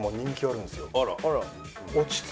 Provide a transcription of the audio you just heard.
あら。